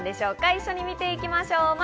一緒に見ていきましょう。